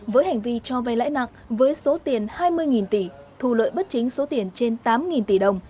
với hành vi cho vay lãi nặng với số tiền hai mươi tỷ thu lợi bất chính số tiền trên tám tỷ đồng